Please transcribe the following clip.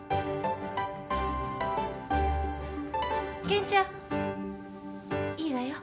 健ちゃんいいわよ。